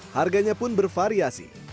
harganya pun bervariasi